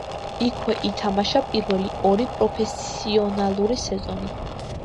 იქვე ითამაშა პირველი ორი პროფესიონალური სეზონი.